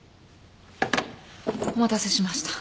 お待たせしました。